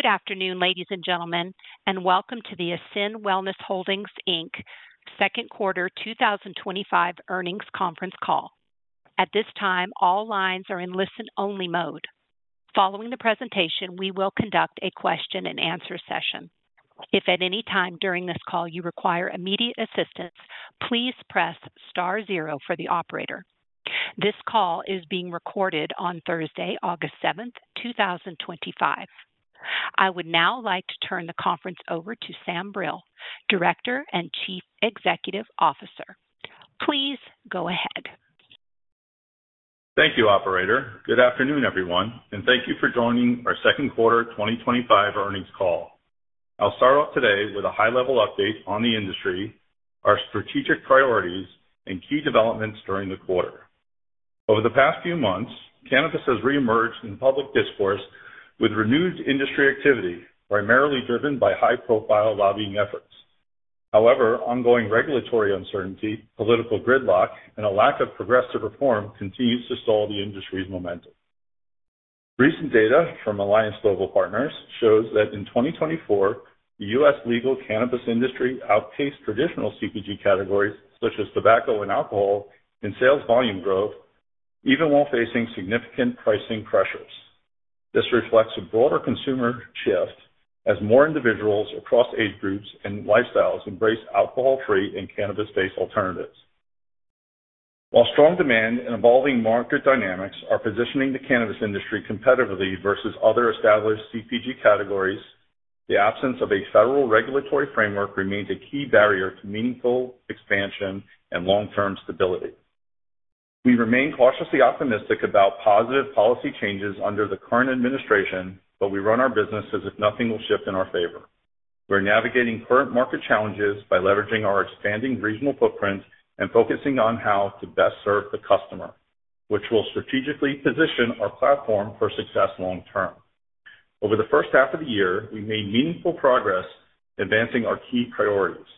Good afternoon, ladies and gentlemen, and welcome to the Ascend Wellness Holdings, Inc. Second Quarter 2025 Earnings Conference Call. At this time, all lines are in listen-only mode. Following the presentation, we will conduct a question-and-answer session. If at any time during this call you require immediate assistance, please press *0 for the operator. This call is being recorded on Thursday, August 7th, 2025. I would now like to turn the conference over to Sam Brill, Director and Chief Executive Officer. Please go ahead. Thank you, Operator. Good afternoon, everyone, and thank you for joining our Second Quarter 2025 Earnings Call. I'll start off today with a high-level update on the industry, our strategic priorities, and key developments during the quarter. Over the past few months, cannabis has reemerged in public discourse with renewed industry activity, primarily driven by high-profile lobbying efforts. However, ongoing regulatory uncertainty, political gridlock, and a lack of progressive reform continue to stall the industry's momentum. Recent data from Alliance Global Partners shows that in 2024, the U.S. legal cannabis industry outpaced traditional CPG categories such as tobacco and alcohol in sales volume growth, even while facing significant pricing pressures. This reflects a broader consumer shift as more individuals across age groups and lifestyles embrace alcohol-free and cannabis-based alternatives. While strong demand and evolving market dynamics are positioning the cannabis industry competitively versus other established CPG categories, the absence of a federal regulatory framework remains a key barrier to meaningful expansion and long-term stability. We remain cautiously optimistic about positive policy changes under the current administration, but we run our business as if nothing will shift in our favor. We're navigating current market challenges by leveraging our expanding regional footprints and focusing on how to best serve the customer, which will strategically position our platform for success long term. Over the first half of the year, we made meaningful progress advancing our key priorities.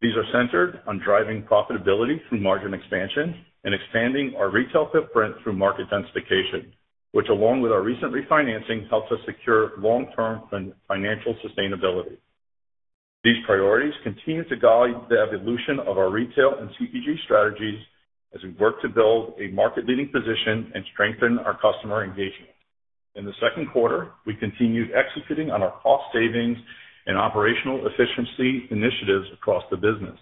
These are centered on driving profitability through margin expansion and expanding our retail footprint through market densification, which, along with our recent refinancing, helps us secure long-term financial sustainability. These priorities continue to guide the evolution of our retail and CPG strategies as we work to build a market-leading position and strengthen our customer engagement. In the second quarter, we continued executing on our cost savings and operational efficiency initiatives across the business.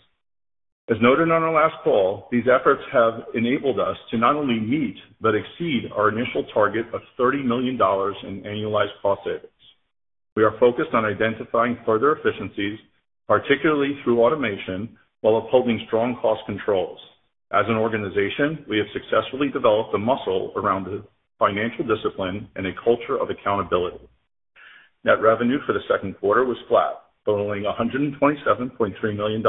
As noted on our last call, these efforts have enabled us to not only meet but exceed our initial target of $30 million in annualized cost savings. We are focused on identifying further efficiencies, particularly through automation, while upholding strong cost controls. As an organization, we have successfully developed the muscle around the financial discipline and a culture of accountability. Net revenue for the second quarter was flat, totaling $127.3 million.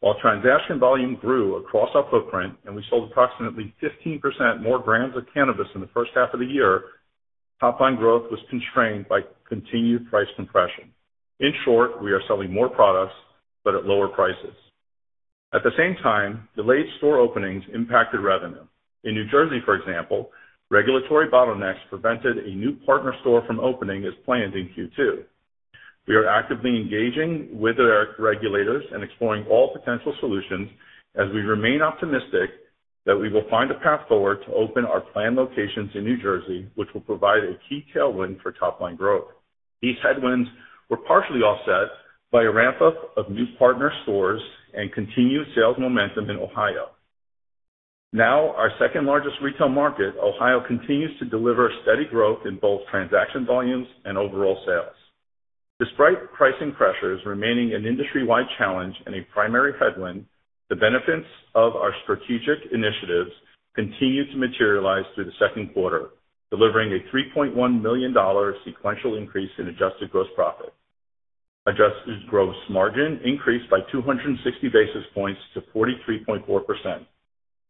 While transaction volume grew across our footprint and we sold approximately 15% more brands of cannabis in the first half of the year, top line growth was constrained by continued price compression. In short, we are selling more products but at lower prices. At the same time, delayed store openings impacted revenue. In New Jersey, for example, regulatory bottlenecks prevented a new partner store from opening as planned in Q2. We are actively engaging with our regulators and exploring all potential solutions as we remain optimistic that we will find a path forward to open our planned locations in New Jersey, which will provide a key tailwind for top line growth. These headwinds were partially offset by a ramp-up of new partner stores and continued sales momentum in Ohio. Now, our second largest retail market, Ohio, continues to deliver steady growth in both transaction volumes and overall sales. Despite pricing pressures remaining an industry-wide challenge and a primary headwind, the benefits of our strategic initiatives continue to materialize through the second quarter, delivering a $3.1 million sequential increase in adjusted gross profit. Adjusted gross margin increased by 260 basis points to 43.4%.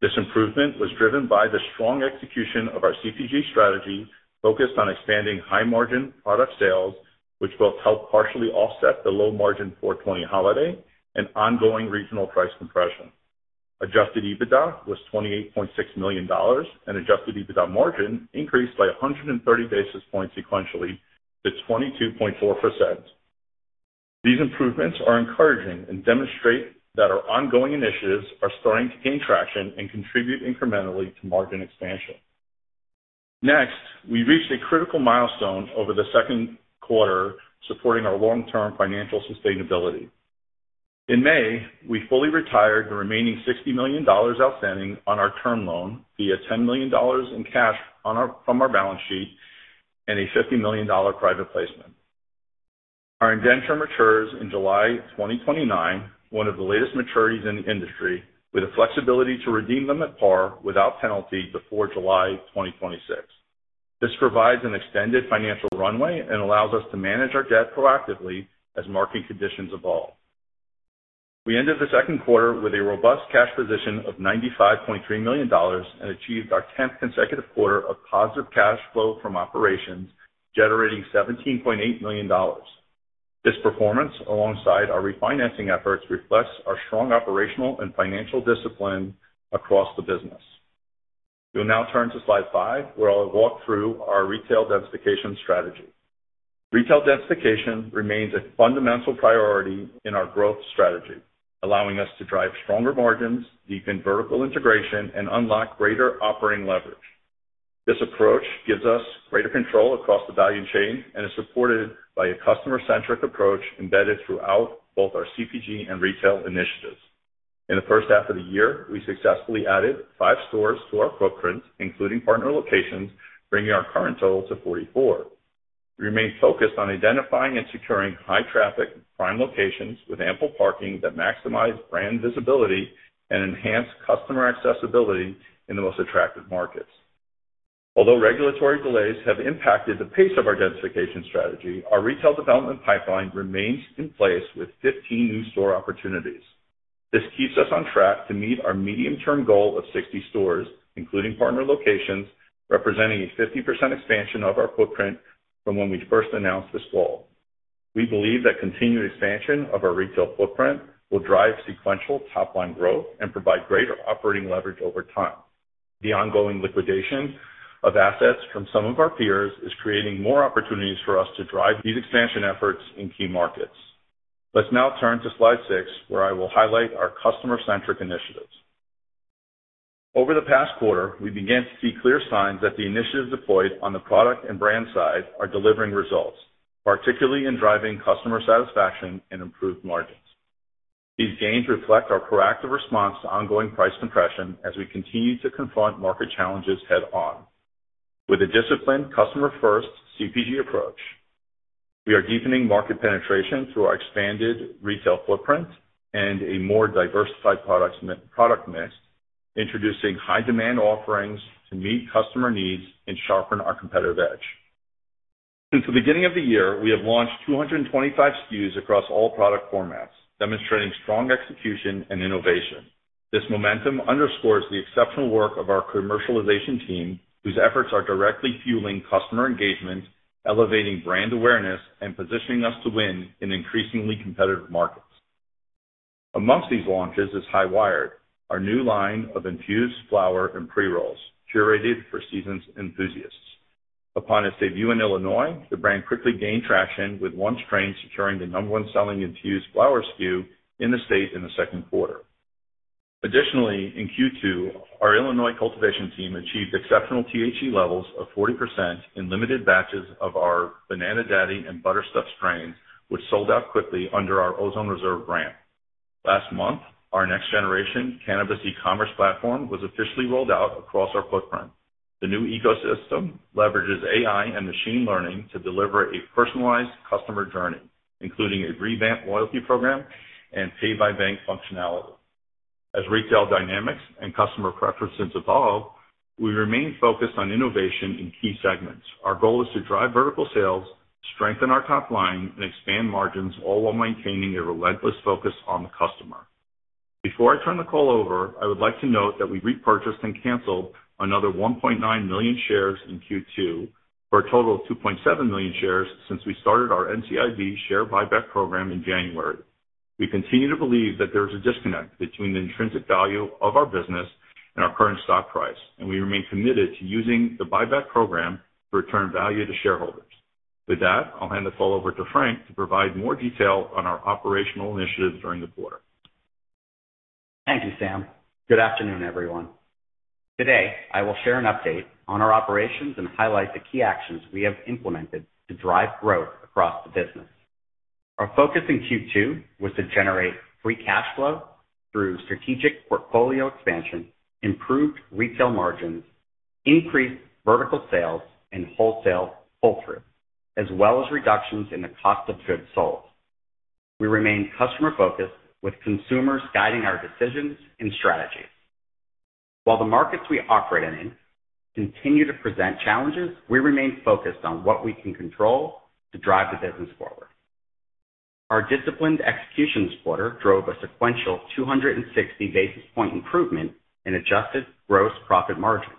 This improvement was driven by the strong execution of our CPG strategy focused on expanding high-margin product sales, which will help partially offset the low-margin 4/20 holiday and ongoing regional price compression. Adjusted EBITDA was $28.6 million, and adjusted EBITDA margin increased by 130 basis points sequentially to 22.4%. These improvements are encouraging and demonstrate that our ongoing initiatives are starting to gain traction and contribute incrementally to margin expansion. Next, we reached a critical milestone over the second quarter, supporting our long-term financial sustainability. In May, we fully retired the remaining $60 million outstanding on our term loan via $10 million in cash from our balance sheet and a $50 million private placement. Our indenture matures in July 2029, one of the latest maturities in the industry, with the flexibility to redeem them at par without penalty before July 2026. This provides an extended financial runway and allows us to manage our debt proactively as market conditions evolve. We ended the second quarter with a robust cash position of $95.3 million and achieved our 10th consecutive quarter of positive cash flow from operations, generating $17.8 million. This performance, alongside our refinancing efforts, reflects our strong operational and financial discipline across the business. We will now turn to slide five, where I'll walk through our retail densification strategy. Retail densification remains a fundamental priority in our growth strategy, allowing us to drive stronger margins, deepen vertical integration, and unlock greater operating leverage. This approach gives us greater control across the value chain and is supported by a customer-centric approach embedded throughout both our CPG and retail initiatives. In the first half of the year, we successfully added five stores to our footprint, including partner locations, bringing our current total to 44. We remain focused on identifying and securing high-traffic prime locations with ample parking that maximize brand visibility and enhance customer accessibility in the most attractive markets. Although regulatory delays have impacted the pace of our densification strategy, our retail development pipeline remains in place with 15 new store opportunities. This keeps us on track to meet our medium-term goal of 60 stores, including partner locations, representing a 50% expansion of our footprint from when we first announced this goal. We believe that continued expansion of our retail footprint will drive sequential top-line growth and provide greater operating leverage over time. The ongoing liquidation of assets from some of our peers is creating more opportunities for us to drive these expansion efforts in key markets. Let's now turn to slide six, where I will highlight our customer-centric initiatives. Over the past quarter, we began to see clear signs that the initiatives deployed on the product and brand side are delivering results, particularly in driving customer satisfaction and improved margins. These gains reflect our proactive response to ongoing price compression as we continue to confront market challenges head-on. With a disciplined, customer-first CPG approach, we are deepening market penetration through our expanded retail footprints and a more diversified product mix, introducing high-demand offerings to meet customer needs and sharpen our competitive edge. Since the beginning of the year, we have launched 225 SKUs across all product formats, demonstrating strong execution and innovation. This momentum underscores the exceptional work of our commercialization team, whose efforts are directly fueling customer engagement, elevating brand awareness, and positioning us to win in increasingly competitive markets. Amongst these launches is High Wired, our new line of infused flower and pre-rolls, curated for seasoned enthusiasts. Upon its debut in Illinois, the brand quickly gained traction, with one strain securing the number one selling infused flower SKU in the state in the second quarter. Additionally, in Q2, our Illinois cultivation team achieved exceptional THC levels of 40% in limited batches of our Banana Daddy and Butterstuff strains, which sold out quickly under our Ozone Reserve brand. Last month, our next-generation e-commerce platform was officially rolled out across our footprint. The new ecosystem leverages AI and machine learning to deliver a personalized customer journey, including a revamped loyalty program and pay-by-bank functionality. As retail dynamics and customer preferences evolve, we remain focused on innovation in key segments. Our goal is to drive vertical sales, strengthen our top line, and expand margins, all while maintaining a relentless focus on the customer. Before I turn the call over, I would like to note that we repurchased and canceled another 1.9 million shares in Q2 for a total of 2.7 million shares since we started our NCIB share buyback program in January. We continue to believe that there is a disconnect between the intrinsic value of our business and our current stock price, and we remain committed to using the buyback program to return value to shareholders. With that, I'll hand the call over to Frank to provide more detail on our operational initiatives during the quarter. Thank you, Sam. Good afternoon, everyone. Today, I will share an update on our operations and highlight the key actions we have implemented to drive growth across the business. Our focus in Q2 was to generate free cash flow through strategic portfolio expansion, improved retail margins, increased vertical sales, and wholesale pull-through, as well as reductions in the cost of goods sold. We remained customer-focused, with consumers guiding our decisions and strategies. While the markets we operate in continue to present challenges, we remain focused on what we can control to drive the business forward. Our disciplined execution quarter drove a sequential 260 basis point improvement in adjusted gross profit margin.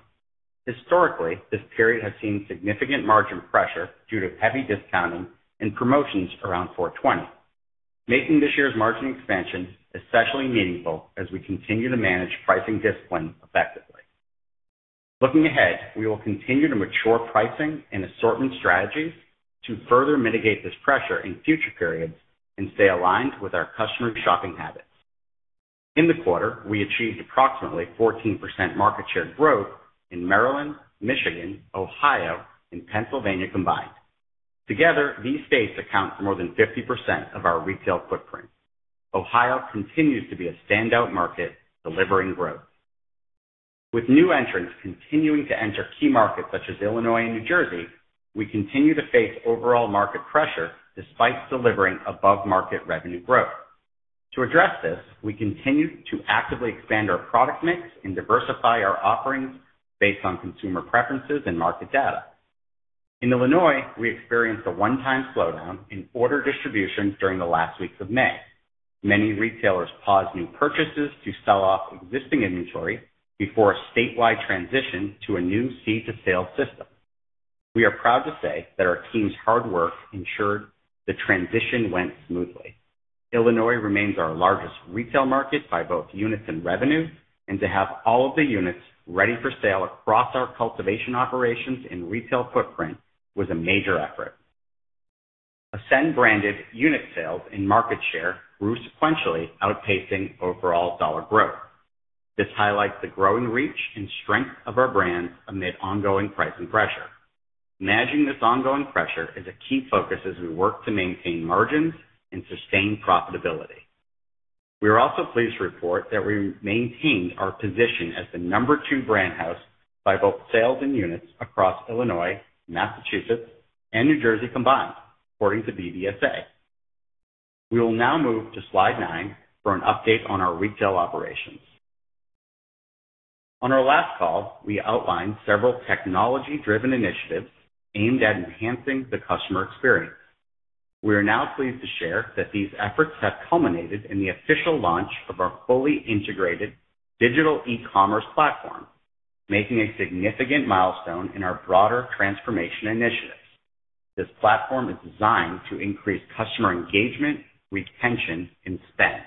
Historically, this period has seen significant margin pressure due to heavy discounting and promotions around 4/20, making this year's margin expansion especially meaningful as we continue to manage pricing discipline effectively. Looking ahead, we will continue to mature pricing and assortment strategies to further mitigate this pressure in future periods and stay aligned with our customers' shopping habits. In the quarter, we achieved approximately 14% market share growth in Maryland, Michigan, Ohio, and Pennsylvania combined. Together, these states account for more than 50% of our retail footprint. Ohio continues to be a standout market delivering growth. With new entrants continuing to enter key markets such as Illinois and New Jersey, we continue to face overall market pressure despite delivering above-market revenue growth. To address this, we continue to actively expand our product mix and diversify our offerings based on consumer preferences and market data. In Illinois, we experienced a one-time slowdown in order distributions during the last weeks of May. Many retailers paused new purchases to sell off existing inventory before a statewide transition to a new seed-to-sale system. We are proud to say that our team's hard work ensured the transition went smoothly. Illinois remains our largest retail market by both units and revenue, and to have all of the units ready for sale across our cultivation operations and retail footprint was a major effort. Ascend-branded unit sales and market share grew sequentially, outpacing overall dollar growth. This highlights the growing reach and strength of our brands amid ongoing pricing pressure. Managing this ongoing pressure is a key focus as we work to maintain margins and sustain profitability. We are also pleased to report that we maintained our position as the number two brand house by both sales and units across Illinois, Massachusetts, and New Jersey combined, according to BBSA. We will now move to slide nine for an update on our retail operations. On our last call, we outlined several technology-driven initiatives aimed at enhancing the customer experience. We are now pleased to share that these efforts have culminated in the official launch of our fully integrated digital e-commerce platform, marking a significant milestone in our broader transformation initiatives. This platform is designed to increase customer engagement, retention, and spend.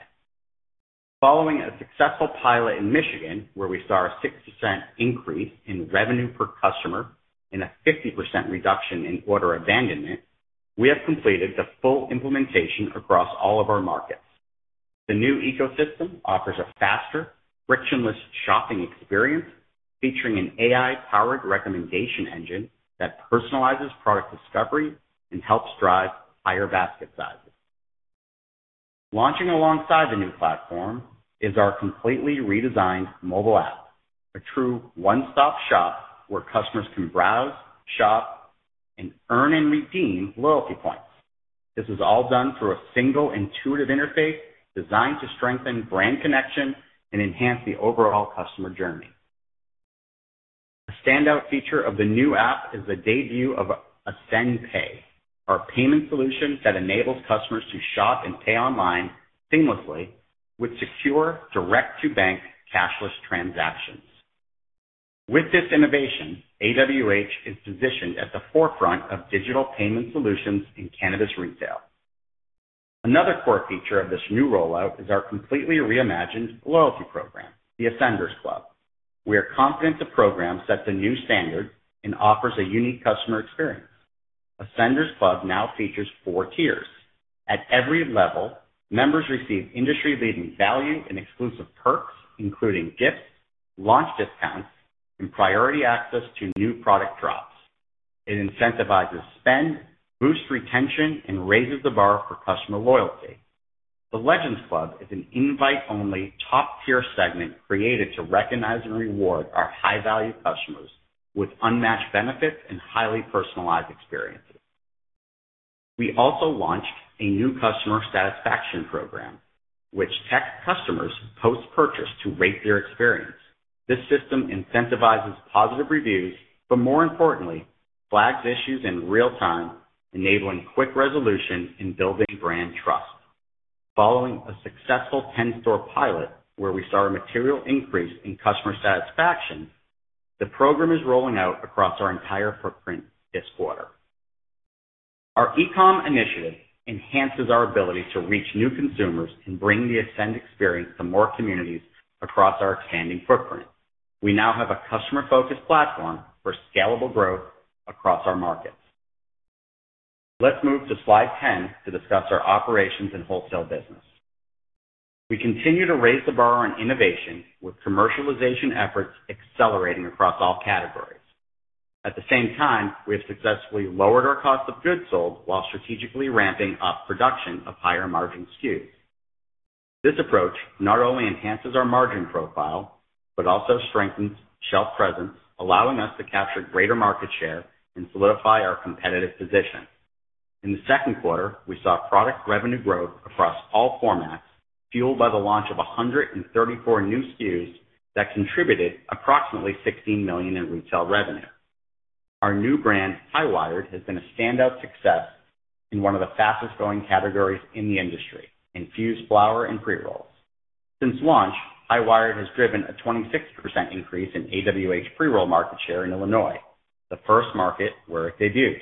Following a successful pilot in Michigan, where we saw a 6% increase in revenue per customer and a 50% reduction in order abandonment, we have completed the full implementation across all of our markets. The new ecosystem offers a faster, frictionless shopping experience, featuring an AI-powered recommendation engine that personalizes product discovery and helps drive higher basket sizes. Launching alongside the new platform is our completely redesigned mobile app, a true one-stop shop where customers can browse, shop, and earn and redeem loyalty points. This is all done through a single intuitive interface designed to strengthen brand connection and enhance the overall customer journey. A standout feature of the new app is the debut of Ascend Pay, our payment solution that enables customers to shop and pay online seamlessly with secure direct-to-bank cashless transactions. With this innovation, AWH is positioned at the forefront of digital payment solutions in cannabis retail. Another core feature of this new rollout is our completely reimagined loyalty program, the Ascenders Club. We are confident the program sets a new standard and offers a unique customer experience. Ascenders Club now features four tiers. At every level, members receive industry-leading value and exclusive perks, including gifts, launch discounts, and priority access to new product drops. It incentivizes spend, boosts retention, and raises the bar for customer loyalty. The Legends Club is an invite-only top-tier segment created to recognize and reward our high-value customers with unmatched benefits and highly personalized experiences. We also launched a new customer satisfaction program, which checks customers post-purchase to rate their experience. This system incentivizes positive reviews, but more importantly, flags issues in real time, enabling quick resolution and building brand trust. Following a successful 10-store pilot, where we saw a material increase in customer satisfaction, the program is rolling out across our entire footprint this quarter. Our e-commerce initiative enhances our ability to reach new consumers and bring the Ascend experience to more communities across our expanding footprint. We now have a customer-focused platform for scalable growth across our markets. Let's move to slide 10 to discuss our operations and wholesale business. We continue to raise the bar on innovation, with commercialization efforts accelerating across all categories. At the same time, we have successfully lowered our cost of goods sold while strategically ramping up production of higher margin SKUs. This approach not only enhances our margin profile but also strengthens shelf presence, allowing us to capture greater market share and solidify our competitive position. In the second quarter, we saw product revenue growth across all formats, fueled by the launch of 134 new SKUs that contributed approximately $16 million in retail revenue. Our new brand, High Wired, has been a standout success in one of the fastest growing categories in the industry, infused flower and pre-rolls. Since launch, High Wired has driven a 26% increase in AWH pre-roll market share in Illinois, the first market where it debuted.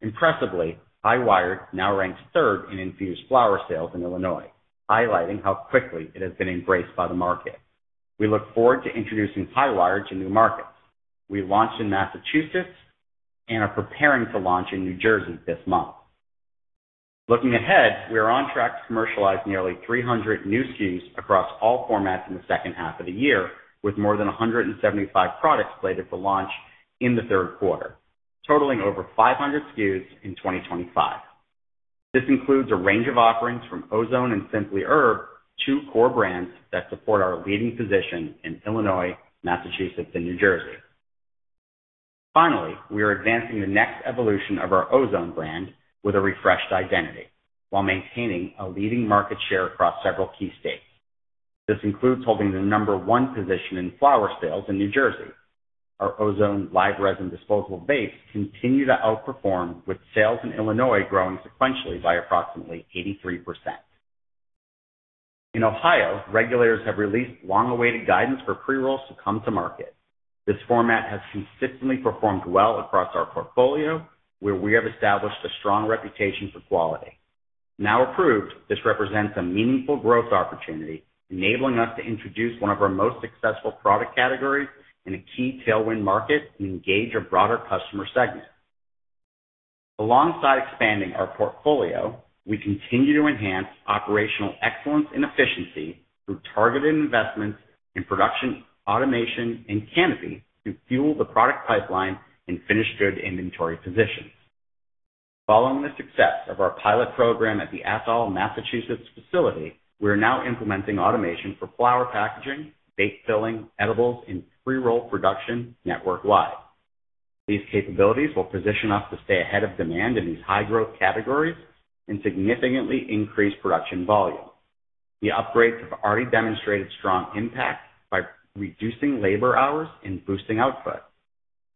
Impressively, High Wired now ranks third in infused flower sales in Illinois, highlighting how quickly it has been embraced by the market. We look forward to introducing High Wired to new markets. We launched in Massachusetts and are preparing to launch in New Jersey this month. Looking ahead, we are on track to commercialize nearly 300 new SKUs across all formats in the second half of the year, with more than 175 products slated for launch in the third quarter, totaling over 500 SKUs in 2025. This includes a range of offerings from Ozone and Simply Herb, two core brands that support our leading position in Illinois, Massachusetts, and New Jersey. Finally, we are advancing the next evolution of our Ozone brand with a refreshed identity while maintaining a leading market share across several key states. This includes holding the number one position in flower sales in New Jersey. Our Ozone live resin disposal base continues to outperform, with sales in Illinois growing sequentially by approximately 83%. In Ohio, regulators have released long-awaited guidance for pre-rolls to come to market. This format has consistently performed well across our portfolio, where we have established a strong reputation for quality. Now approved, this represents a meaningful growth opportunity, enabling us to introduce one of our most successful product categories in a key tailwind market and engage a broader customer segment. Alongside expanding our portfolio, we continue to enhance operational excellence and efficiency through targeted investments in production, automation, and canopy to fuel the product pipeline and finished good inventory positions. Following the success of our pilot program at the Athol, Massachusetts facility, we are now implementing automation for flower packaging, baked filling, edibles, and pre-roll production network-wide. These capabilities will position us to stay ahead of demand in these high-growth categories and significantly increase production volume. The upgrades have already demonstrated strong impacts by reducing labor hours and boosting output.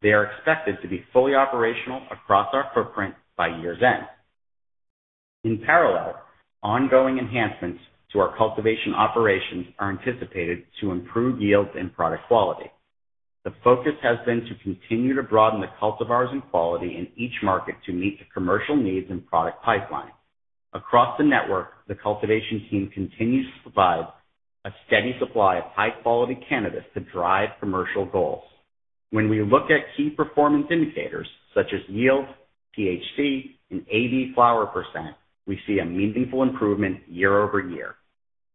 They are expected to be fully operational across our footprint by year's end. In parallel, ongoing enhancements to our cultivation operations are anticipated to improve yields and product quality. The focus has been to continue to broaden the cultivars and quality in each market to meet the commercial needs and product pipeline. Across the network, the cultivation team continues to provide a steady supply of high-quality cannabis to drive commercial goals. When we look at key performance indicators such as yield, THC, and av flower percent, we see a meaningful improvement year-over-year.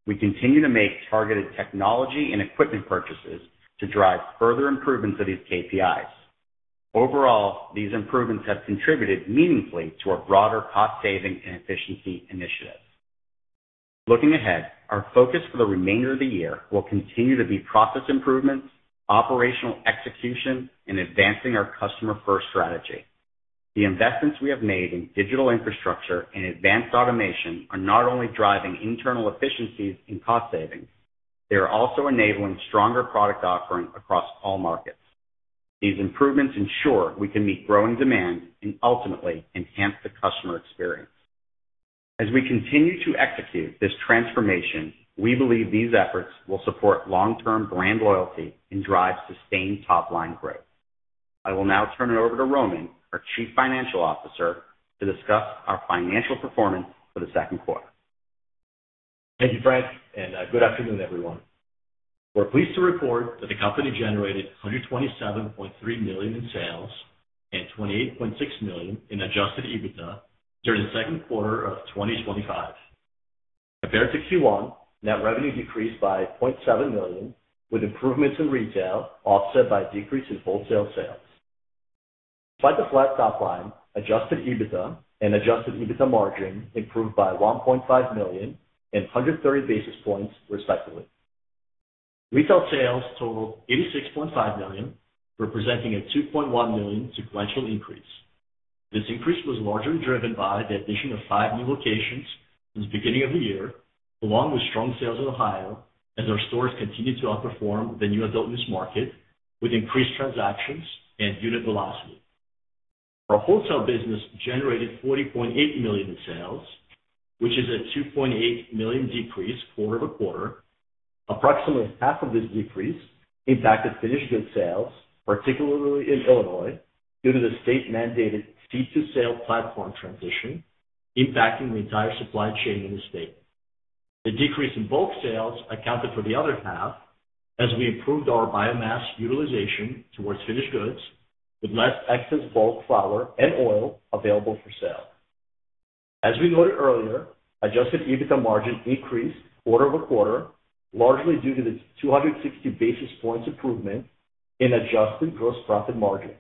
We continue to make targeted technology and equipment purchases to drive further improvements of these KPIs. Overall, these improvements have contributed meaningfully to our broader cost saving and efficiency initiatives. Looking ahead, our focus for the remainder of the year will continue to be process improvements, operational execution, and advancing our customer-first strategy. The investments we have made in digital infrastructure and advanced automation are not only driving internal efficiencies and cost savings, they are also enabling stronger product offering across all markets. These improvements ensure we can meet growing demand and ultimately enhance the customer experience. As we continue to execute this transformation, we believe these efforts will support long-term brand loyalty and drive sustained top-line growth. I will now turn it over to Roman, our Chief Financial Officer, to discuss our financial performance for the second quarter. Thank you, Frank, and good afternoon, everyone. We're pleased to report that the company generated $127.3 million in sales and $28.6 million in adjusted EBITDA during the second quarter of 2025. Compared to Q1, net revenue decreased by $0.7 million, with improvements in retail offset by a decrease in wholesale sales. Flight-to-flight top line, adjusted EBITDA, and adjusted EBITDA margin improved by $1.5 million and 130 basis points, respectively. Retail sales totaled $86.5 million, representing a $2.1 million sequential increase. This increase was largely driven by the addition of five new locations since the beginning of the year, along with strong sales in Ohio, as our stores continue to outperform the new adult use market with increased transactions and unit velocity. Our wholesale business generated $40.8 million in sales, which is a $2.8 million decrease quarter-over-quarter. Approximately half of this decrease impacted finished goods sales, particularly in Illinois, due to the state-mandated seed-to-sale platform transition impacting the entire supply chain in the state. The decrease in bulk sales accounted for the other half, as we improved our biomass utilization towards finished goods, with less excess bulk flower and oil available for sale. As we noted earlier, adjusted EBITDA margin increased quarter-over-quarter, largely due to the 260 basis points improvement in adjusted gross profit margin.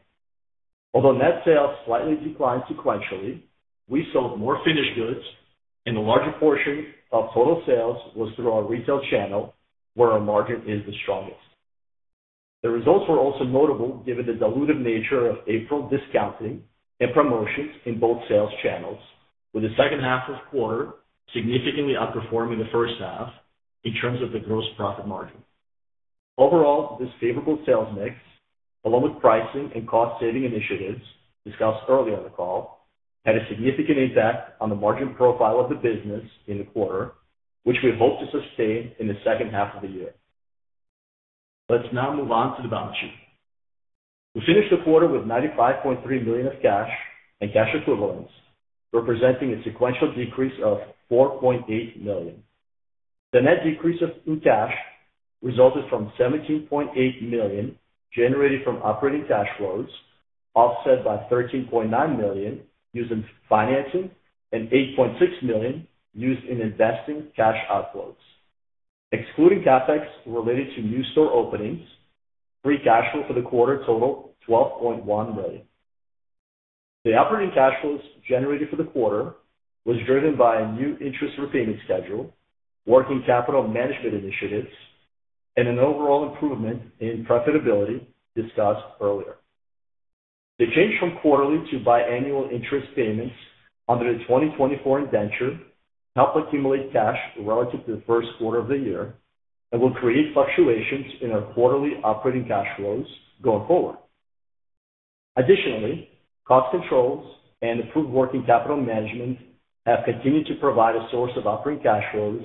Although net sales slightly declined sequentially, we sold more finished goods, and a larger portion of total sales was through our retail channel, where our margin is the strongest. The results were also notable given the diluted nature of April discounting and promotions in both sales channels, with the second half of the quarter significantly outperforming the first half in terms of the gross profit margin. Overall, this favorable sales mix, along with pricing and cost-saving initiatives discussed earlier in the call, had a significant impact on the margin profile of the business in the quarter, which we hope to sustain in the second half of the year. Let's now move on to the balance sheet. We finished the quarter with $95.3 million of cash and cash equivalents, representing a sequential decrease of $4.8 million. The net decrease in cash resulted from $17.8 million generated from operating cash flows, offset by $13.9 million used in financing and $8.6 million used in investing cash outflows. Excluding CapEx related to new store openings, free cash flow for the quarter totaled $12.1 million. The operating cash flows generated for the quarter were driven by a new interest repayment schedule, working capital management initiatives, and an overall improvement in profitability discussed earlier. The change from quarterly to biannual interest payments under the 2024 indenture helped accumulate cash relative to the first quarter of the year and will create fluctuations in our quarterly operating cash flows going forward. Additionally, cost controls and approved working capital management have continued to provide a source of operating cash flows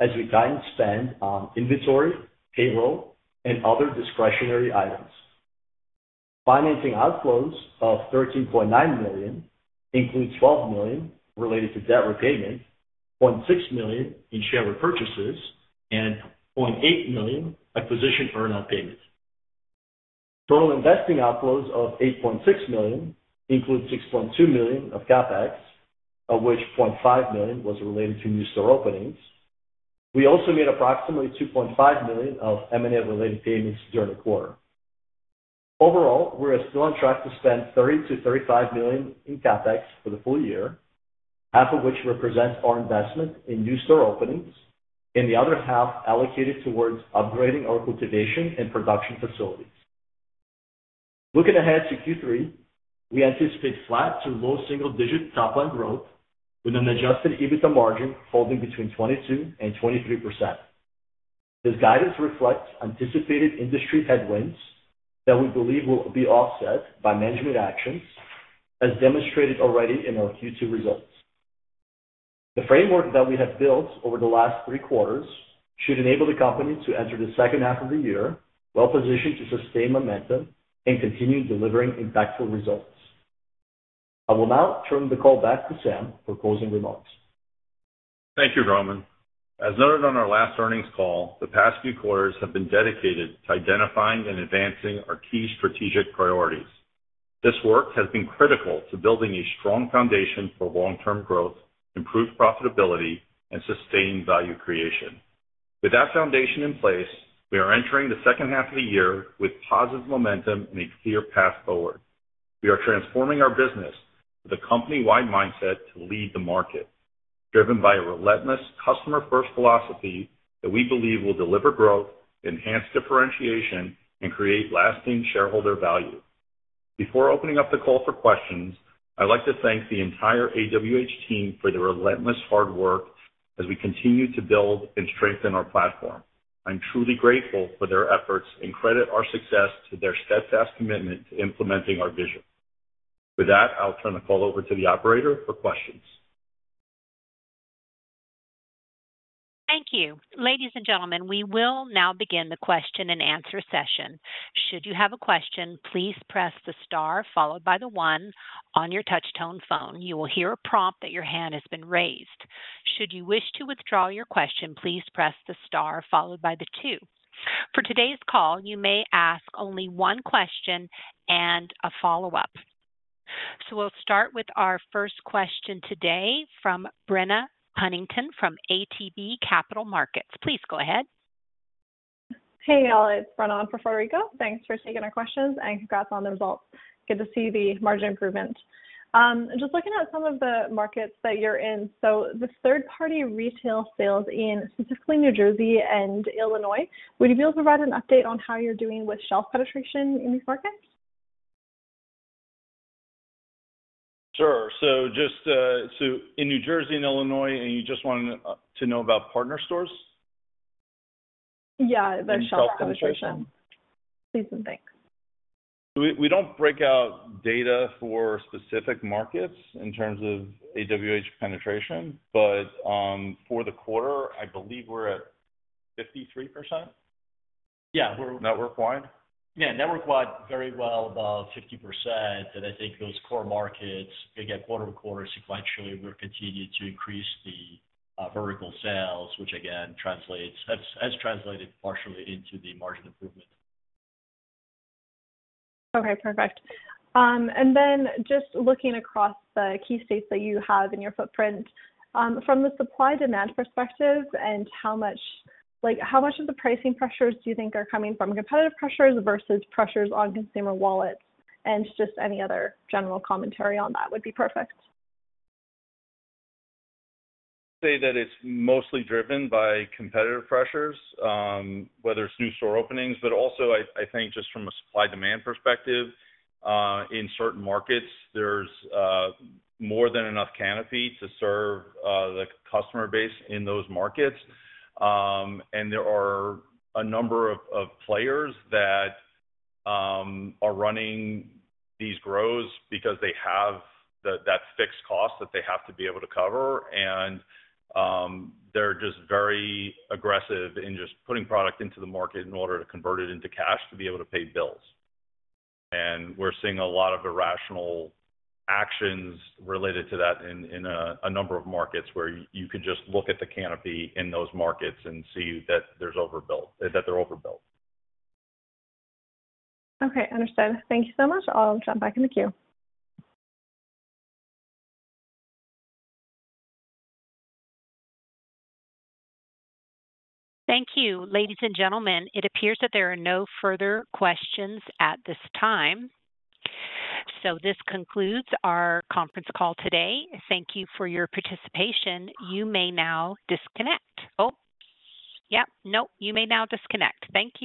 as we time spend on inventory, payroll, and other discretionary items. Financing outflows of $13.9 million include $12 million related to debt repayment, $0.6 million in share repurchases, and $0.8 million acquisition earnout payments. Total investing outflows of $8.6 million include $6.2 million of CapEx, of which $0.5 million was related to new store openings. We also made approximately $2.5 million of M&A-related payments during the quarter. Overall, we are still on track to spend $30 million-$35 million in CapEx for the full year, half of which represents our investment in new store openings and the other half allocated towards upgrading our cultivation and production facilities. Looking ahead to Q3, we anticipate flat to low single-digit top-line growth with an adjusted EBITDA margin falling between 22% and 23%. This guidance reflects anticipated industry headwinds that we believe will be offset by management actions, as demonstrated already in our Q2 results. The framework that we have built over the last three quarters should enable the company to enter the second half of the year well-positioned to sustain momentum and continue delivering impactful results. I will now turn the call back to Sam for closing remarks. Thank you, Roman. As noted on our last earnings call, the past few quarters have been dedicated to identifying and advancing our key strategic priorities. This work has been critical to building a strong foundation for long-term growth, improved profitability, and sustained value creation. With that foundation in place, we are entering the second half of the year with positive momentum and a clear path forward. We are transforming our business with a company-wide mindset to lead the market, driven by a relentless customer-first philosophy that we believe will deliver growth, enhance differentiation, and create lasting shareholder value. Before opening up the call for questions, I'd like to thank the entire AWH team for their relentless hard work as we continue to build and strengthen our platform. I'm truly grateful for their efforts and credit our success to their steadfast commitment to implementing our vision. With that, I'll turn the call over to the operator for questions. Thank you. Ladies and gentlemen, we will now begin the question and answer session. Should you have a question, please press the star followed by the one on your touch-tone phone. You will hear a prompt that your hand has been raised. Should you wish to withdraw your question, please press the star followed by the two. For today's call, you may ask only one question and a follow-up. We will start with our first question today from Brenna Cunnington from ATB Capital Markets. Please go ahead. Hey, y'all. It's Brenna on [for Rika]. Thanks for taking our questions and congrats on the results. Good to see the margin improvement. Just looking at some of the markets that you're in, the third-party retail sales in specifically New Jersey and Illinois, would you be able to provide an update on how you're doing with shelf penetration in these markets? Sure. In New Jersey and Illinois, you just wanted to know about partner stores? Yeah, the shelf penetration. Please and thanks. We don't break out data for specific markets in terms of AWH penetration, but for the quarter, I believe we're at 53%. Yeah, we're network-wide. Yeah, network-wide, very well above 50%. I think those core markets, again, quarter to quarter, sequentially, we're continuing to increase the vertical sales, which again translates, has translated partially into the margin improvement. Okay, perfect. Then just looking across the key states that you have in your footprint, from the supply-demand perspective and how much, like, how much of the pricing pressures do you think are coming from competitive pressures versus pressures on consumer wallets? Just any other general commentary on that would be perfect. Say that it's mostly driven by competitive pressures, whether it's new store openings, but also I think just from a supply-demand perspective, in certain markets, there's more than enough canopy to serve the customer base in those markets. There are a number of players that are running these grows because they have that fixed cost that they have to be able to cover. They're just very aggressive in just putting product into the market in order to convert it into cash to be able to pay bills. We're seeing a lot of irrational actions related to that in a number of markets where you could just look at the canopy in those markets and see that they're overbuilt. Okay, understood. Thank you so much. I'll jump back in the queue. Thank you, ladies and gentlemen. It appears that there are no further questions at this time. This concludes our conference call today. Thank you for your participation. You may now disconnect. Thank you.